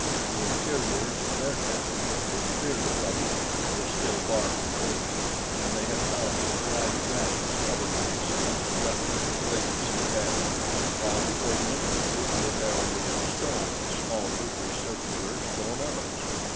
The interiors of their caverns were cleared of rubbish, though still far from clean, and they had pallets of dried grasses covered with the skins of leopard, lynx, and bear, while before the entrances were barriers of stone and small, rudely circular stone ovens.